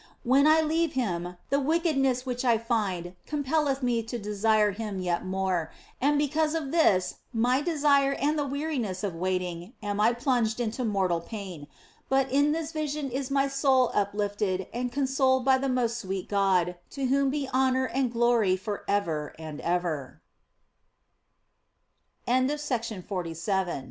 When I leave Him the wicked ness which I find compelleth me to desire Him yet more, and because of this my desire and the weariness of waiting am I plunged into mortal pain, but in this vision is my soul uplifted and consoled by the most sweet God, to whom be honour and glory for ever